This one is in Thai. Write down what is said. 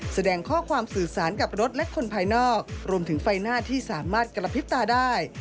แสดงข้อความสื่อสารกับรถและคนภายนอกรวมถึงไฟหน้าที่สามารถกระพริบตาได้